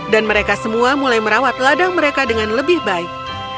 dan mereka semua mulai merawat ladang mereka dengan lebih baik